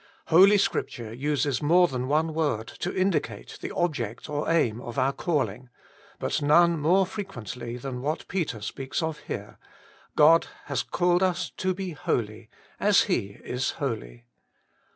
Holy Scripture uses more than one word to indicate the object or aim of our calling, but none more frequently than what Peter speaks of here God has called us to le holy as He is holy.